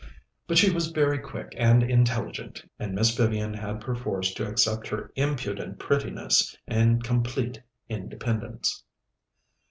But she was very quick and intelligent, and Miss Vivian had perforce to accept her impudent prettiness and complete independence.